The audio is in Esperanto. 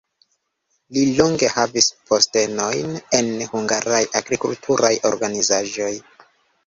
Li longe havis postenojn en hungaraj agrikulturaj organizaĵoj.